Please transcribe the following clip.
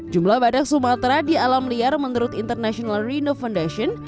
jumlah badak sumatera di alam liar menurut international reno foundation